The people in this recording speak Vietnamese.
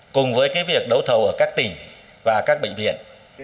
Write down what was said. cùng với việc đấu thầu ở các tỉnh và các bệnh viện